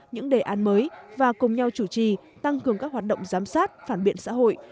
những đề án mới và cùng nhau chủ trì tăng cường các hoạt động giám sát phản biện xã hội